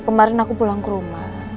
kemarin aku pulang ke rumah